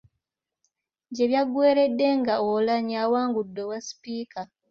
Gye byagweeredde nga Oulanyah awangudde obwa sipiika.